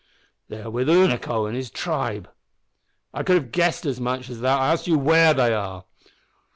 "They are with Unaco and his tribe." "I could have guessed as much as that. I ask you where they are!"